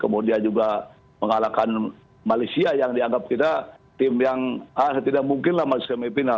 kemudian juga mengalahkan malaysia yang dianggap kita tim yang tidak mungkin lah masuk ke semi final